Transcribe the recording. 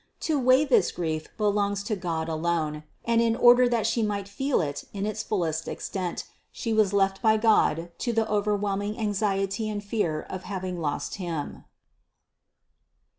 To weigh this grief be longs to God alone, and in order that She might feel it in its fullest extent, She was left by God to the over whelming anxiety and fear of having lost Him.